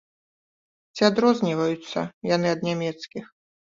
Ці адрозніваюцца яны да нямецкіх?